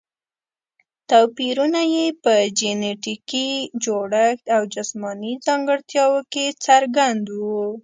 توپیرونه یې په جینټیکي جوړښت او جسماني ځانګړتیاوو کې څرګند وو.